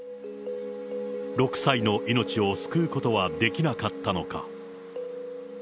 ６歳の命を救うことができなかったのか。